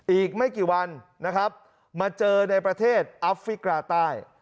อีกไม่กี่วันนะครับมาเจอในประเทศอัฟริกาใต้